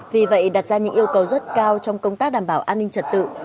vì vậy đặt ra những yêu cầu rất cao trong công tác đảm bảo an ninh trật tự